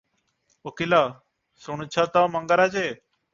ଓକିଲ - "ଶୁଣୁଛ ତ ମଙ୍ଗରାଜେ!